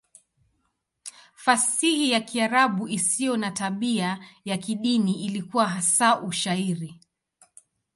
Fasihi ya Kiarabu isiyo na tabia ya kidini ilikuwa hasa Ushairi.